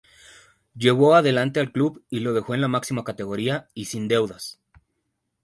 Llevó adelante al club y lo dejó en la máxima categoría, y sin deudas.